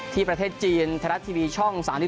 ที่ประเทศจีนธนัดทีวีช่อง๓๒